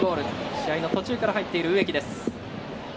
試合の途中から入っている植木。